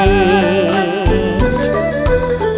ถ้าเรียกพี่ฝืนใจเอาหน่อย